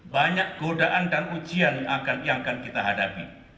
banyak godaan dan ujian yang akan kita hadapi